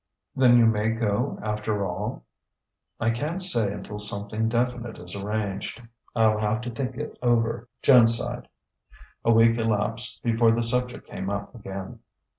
"Then you may go, after all?" "I can't say until something definite is arranged. I'll have to think it over." Joan sighed. A week elapsed before the subject came up again.